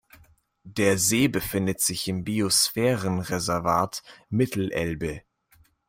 Der See befindet sich im Biosphärenreservat Mittelelbe.